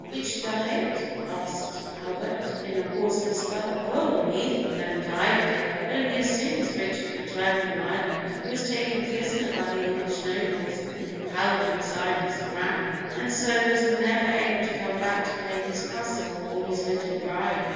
"Which died?" asked Albert, in a hoarse whisper. "Oh, neither of them died, dear; only as soon as Richard returned from Ireland he was taken prisoner by the English nobles and compelled to resign his crown, and so was never able to come back to claim his Castle or his little bride.